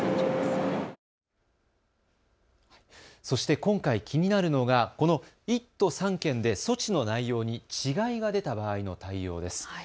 そして今回、気になるのがこの１都３県で措置の内容に違いが出た場合の対応です。